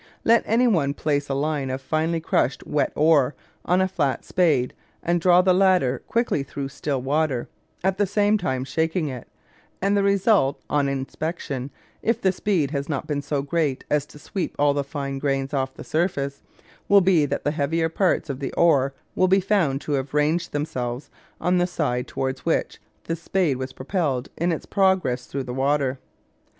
Let any one place a line of finely crushed wet ore on a flat spade and draw the latter quickly through still water, at the same time shaking it, and the result on inspection, if the speed has not been so great as to sweep all the fine grains off the surface, will be that the heavier parts of the ore will be found to have ranged themselves on the side towards which the spade was propelled in its progress through the water.